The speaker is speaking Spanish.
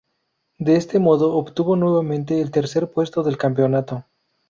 De este modo, obtuvo nuevamente el tercer puesto de campeonato.